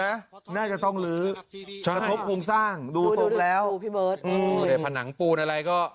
น่าจะต้องลื้อชอบคุมสร้างดูดูดูดูพี่เบิร์ตอืมผนังปูนอะไรก็